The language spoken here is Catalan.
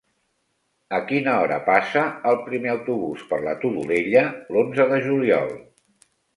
A quina hora passa el primer autobús per la Todolella l'onze de juliol?